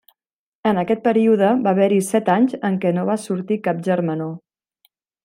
En aquest període va haver-hi set anys en què no va sortir cap germanor.